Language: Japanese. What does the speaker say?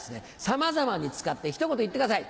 さまざまに使ってひと言言ってください。